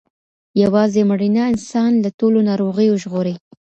یوازې مړینه انسان له ټولو ناروغیو ژغوري.